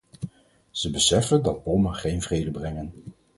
Ze beseffen dat bommen geen vrede brengen.